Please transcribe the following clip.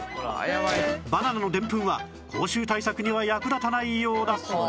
バナナのでんぷんは口臭対策には役立たないようだ